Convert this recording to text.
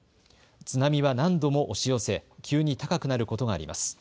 津波は何度も押し寄せ急に高くなることがあります。